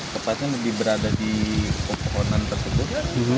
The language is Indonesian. tepatnya lebih berada di pepohonan tersebut